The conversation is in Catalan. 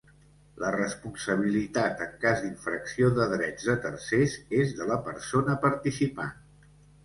La responsabilitat en cas d'infracció de drets de tercers és de la persona participant.